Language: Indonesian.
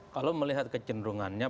kalau melihat kecenderungannya